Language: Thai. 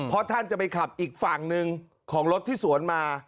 เพราะท่านจะไปขับอีกฝั่งหนึ่งของรถที่สวนมา